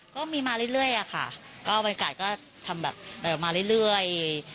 ก็มีมาเรื่อยอะค่ะก็บรรยากาศก็ทำแบบมาเรื่อย